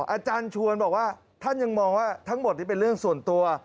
อาจารย์ชวนบอกว่าท่านยังมองว่าทั้งหมดนี้เป็นเรื่องส่วนตัว